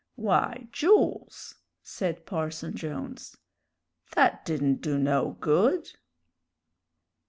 "Why, Jools," said Parson Jones, "that didn't do no good."